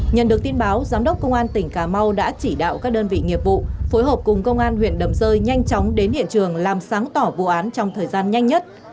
nhận được tin báo giám đốc công an tỉnh cà mau đã chỉ đạo các đơn vị nghiệp vụ phối hợp cùng công an huyện đầm rơi nhanh chóng đến hiện trường làm sáng tỏ vụ án trong thời gian nhanh nhất